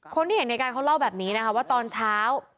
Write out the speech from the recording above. เห็นในการเขาเล่าแบบนี้นะคะว่าตอนเช้า